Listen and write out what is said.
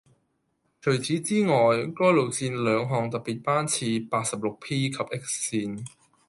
除此以外，該路線兩項特別班次八十六 P 及 X 線